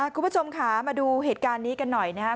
คุณผู้ชมค่ะมาดูเหตุการณ์นี้กันหน่อยนะครับ